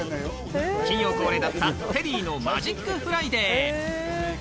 金曜恒例だったテリーのマジックフライデー。